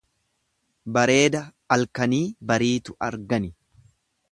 Bareeda alkanii bariitu argani.